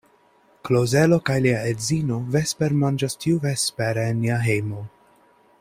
Klozelo kaj lia edzino vespermanĝas tiuvespere en nia hejmo.